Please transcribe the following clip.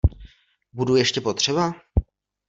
Budu ještě potřeba?